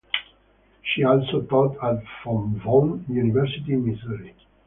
She also taught at Fontbonne University in Missouri.